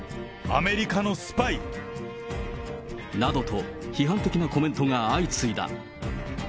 アメリカのスパイ。などと批判的なコメントが相次いだ。